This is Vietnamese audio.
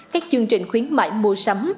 các chương trình khuyến mại mua sắm